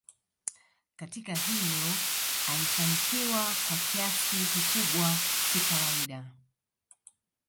katika hilo alifanikiwa kwa kiasi kikubwa si kawaida